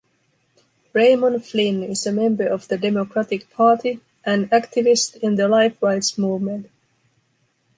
Raymond Flynn is a member of the Democratic Party and activist in the life rights movement.